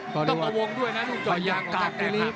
ต้องประวงด้วยนะตรงจอยางของกล้าแกร่งหัก